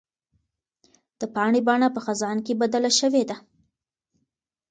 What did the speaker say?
د پاڼې بڼه په خزان کې بدله شوې ده.